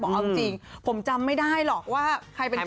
เอาจริงผมจำไม่ได้หรอกว่าใครเป็นใคร